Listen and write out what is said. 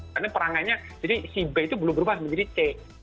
karena perangainya jadi si b itu belum berubah menjadi c